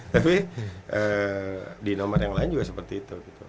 tapi di nomor yang lain juga seperti itu